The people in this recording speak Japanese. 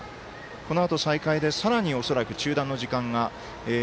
このあと再開でさらに中断の時間が。